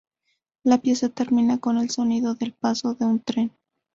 La pieza termina con el sonido del paso de un tren.